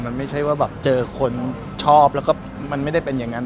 มันไม่ใช่ว่าแบบเจอคนชอบแล้วก็มันไม่ได้เป็นอย่างนั้น